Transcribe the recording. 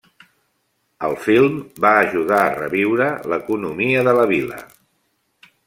El film va ajudar a reviure l'economia de la vila.